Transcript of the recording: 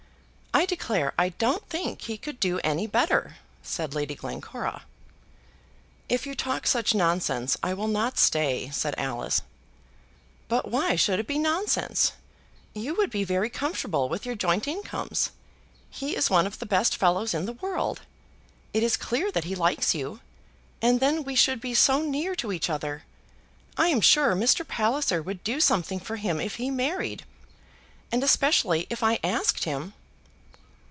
"I declare I don't think he could do any better," said Lady Glencora. "If you talk such nonsense, I will not stay," said Alice. "But why should it be nonsense? You would be very comfortable with your joint incomes. He is one of the best fellows in the world. It is clear that he likes you; and then we should be so near to each other. I am sure Mr. Palliser would do something for him if he married, and especially if I asked him."